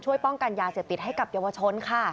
ป้องกันยาเสพติดให้กับเยาวชนค่ะ